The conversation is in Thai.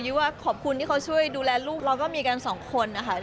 ว่าขอบคุณที่เขาช่วยดูแลลูกเราก็มีกันสองคนนะคะ